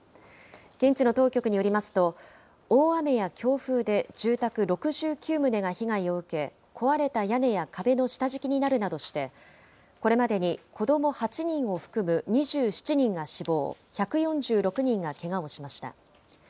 現地の当局によりますと、大雨や強風で住宅６９棟が被害を受け、壊れた屋根や壁の下敷きになるなどして、これまでに子ども８人を含む２７人が死亡、１４６人がけがをしました。